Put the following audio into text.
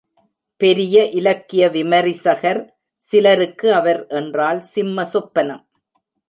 பெரிய இலக்கிய விமரிசகர்! சிலருக்கு அவர் என்றால், சிம்ம சொப்பனம்.